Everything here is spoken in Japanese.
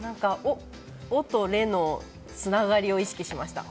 「お」と「れ」のつながりを意識しました。